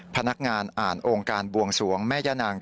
พนักงานอ่านองค์การบวงสวงแม่ย่านาง